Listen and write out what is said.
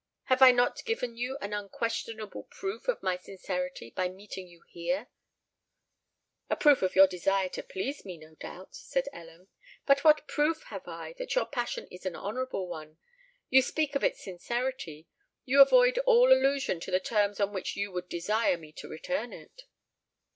Have I not given you an unquestionable proof of my sincerity by meeting you here?" "A proof of your desire to please me, no doubt," said Ellen. "But what proof have I that your passion is an honourable one? You speak of its sincerity—you avoid all allusion to the terms on which you would desire me to return it."